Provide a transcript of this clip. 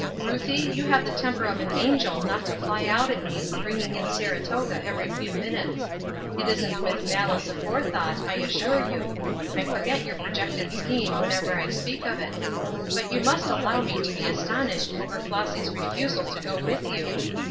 Ruthie, you have the temper of an angel not to fly out at me for bringing in Saratoga every few minutes. It isn't with 'malice aforethought,' I assure you. I forget your projected scheme whenever I speak of it; but you must allow me to be astonished over Flossy's refusal to go with you.